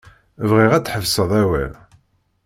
Bɣiɣ ad tḥebsed awal.